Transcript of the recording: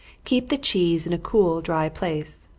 Keep the cheese in a cool, dry place.